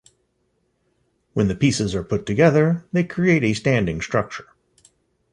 When the pieces are put together, they create a standing structure.